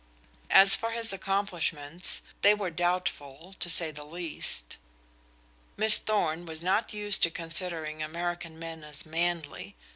As for his accomplishments, they were doubtful, to say the least. Miss Thorn was not used to considering American men as manly.